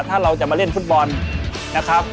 ถ้าเราจะมาเล่นฟุตบอลนะครับ